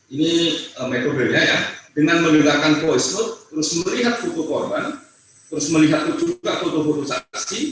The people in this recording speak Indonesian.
ini metode nya ya dengan mendengarkan voice note terus melihat kutub korban terus melihat juga kutub kutub saksi